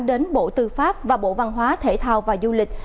đến bộ tư pháp và bộ văn hóa thể thao và du lịch